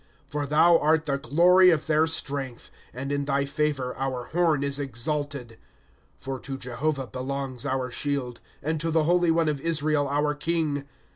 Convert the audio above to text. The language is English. " For thou art the glory of their strength ; And in thy favor our horn is exalted, 's For to Jehovah belongs our shield, And to the Holy One of Israel, our king.